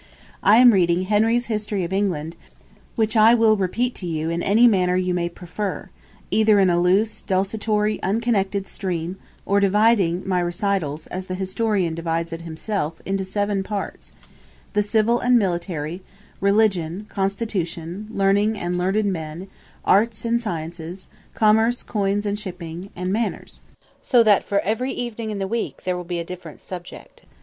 I am reading Henry's History of England, which I will repeat to you in any manner you may prefer, either in a loose, desultory, unconnected stream, or dividing my recital, as the historian divides it himself, into seven parts: The Civil and Military: Religion: Constitution: Learning and Learned Men: Arts and Sciences: Commerce, Coins, and Shipping: and Manners. So that for every evening in the week there will be a different subject.